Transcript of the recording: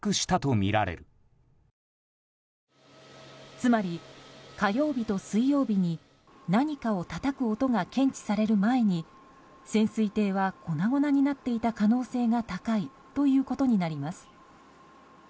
つまり、火曜日と水曜日に何かをたたく音が検知される前に潜水艇は粉々になっていた可能性が高いということになります。